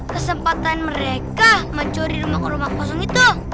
kesempatan mereka mencuri rumah kosong itu